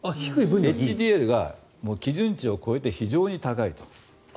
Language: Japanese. ＨＤＬが基準値を超えて非常に高いと。